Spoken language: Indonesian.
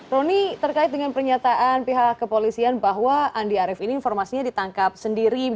roni terkait dengan pernyataan pihak kepolisian bahwa andi arief ini informasinya ditangkap sendiri